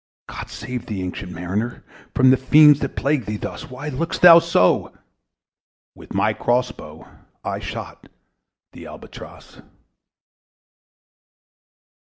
"God save thee, ancient Mariner! From the fiends, that plague thee thus! Why look'st thou so?" With my cross bow I shot the ALBATROSS.